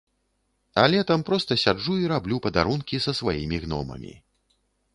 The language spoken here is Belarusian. А летам проста сяджу і раблю падарункі са сваімі гномамі.